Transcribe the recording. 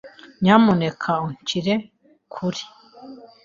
Nyamuneka unshyire kuri .